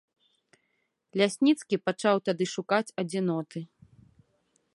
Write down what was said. Лясніцкі пачаў тады шукаць адзіноты.